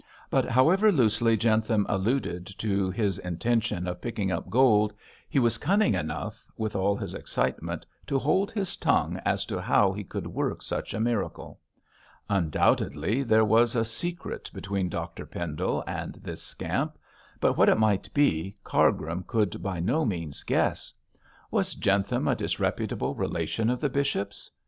But however loosely Jentham alluded to his intention of picking up gold, he was cunning enough, with all his excitement, to hold his tongue as to how he could work such a miracle. Undoubtedly there was a secret between Dr Pendle and this scamp; but what it might be, Cargrim could by no means guess. Was Jentham a disreputable relation of the bishop's?